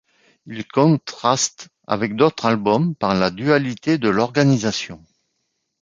Il contraste avec d’autres albums par la dualité de l’organisation.